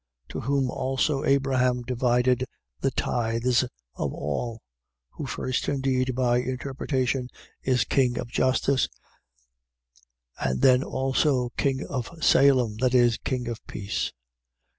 To whom also Abraham divided the tithes of all: who first indeed by interpretation is king of justice: and then also king of Salem, that is, king of peace: 7:3.